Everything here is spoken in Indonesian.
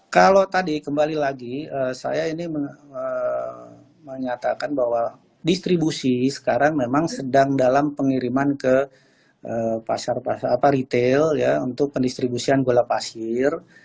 kalau tadi kembali lagi saya ini menyatakan bahwa distribusi sekarang memang sedang dalam pengiriman ke pasar pasar retail untuk pendistribusian gula pasir